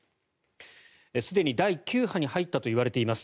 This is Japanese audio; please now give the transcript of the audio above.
すでに第９波に入ったといわれています。